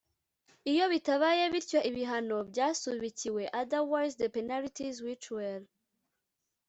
iyo bitabaye bityo ibihano byasubikiwe otherwise the penalties which were